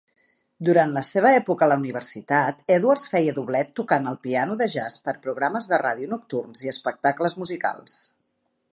Durant la seva època a la universitat, Edwards feia doblet tocant el piano de jazz per a programes de ràdio nocturns i espectacles musicals.